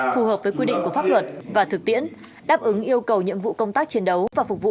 phù hợp với quy định của pháp luật và thực tiễn đáp ứng yêu cầu nhiệm vụ công tác chiến đấu và phục vụ